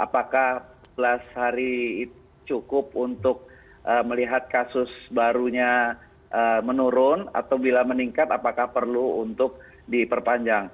apakah sebelas hari cukup untuk melihat kasus barunya menurun atau bila meningkat apakah perlu untuk diperpanjang